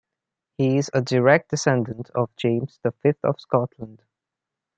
He is a direct descendant of James the Fifth of Scotland.